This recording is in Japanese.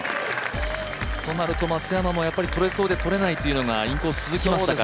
となると松山もとれそうでとれないというのがインコース続きましたから。